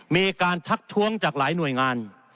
มีการทักท้วงจากหลายหน่วยงาน